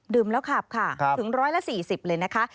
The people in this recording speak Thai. ดื่มแล้วขับค่ะถึง๑๔๐เลยนะคะ